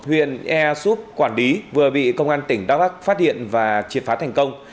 huyện e soup quản lý vừa bị công an tỉnh đắk lắc phát hiện và triệt phá thành công